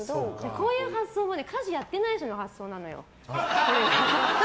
こういう発想は家事やってない人の発想なのよ。